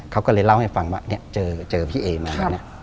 เขาก็เลยเล่าให้ฟังว่าเจอพี่เอ๋มา